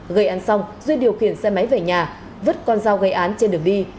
gây án xong duy điều khiển xe máy về nhà vứt con dao gây án trên đường đi